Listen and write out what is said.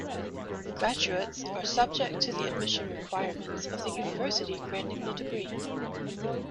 Graduates are subject to the admission requirements of the university granting the degree.